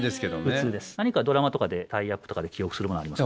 何かドラマとかでタイアップとかで記憶するものありますか？